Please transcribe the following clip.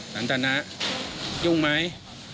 สนับสนับยุ่งไหม